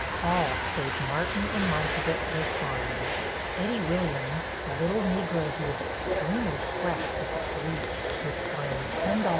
All save Martin and Montegut were fined." "Eddie Williams, a little Negro who was extremely fresh with the police, was fined $10 or ten days."